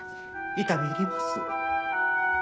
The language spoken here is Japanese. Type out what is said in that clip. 痛み入ります。